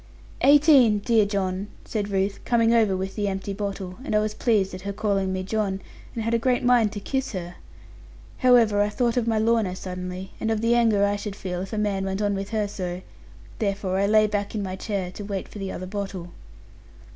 'Eighteen, dear John;' said Ruth, coming over with the empty bottle; and I was pleased at her calling me 'John,' and had a great mind to kiss her. However, I thought of my Lorna suddenly, and of the anger I should feel if a man went on with her so; therefore I lay back in my chair, to wait for the other bottle.